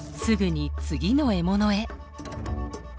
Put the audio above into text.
すぐに次の獲物へ。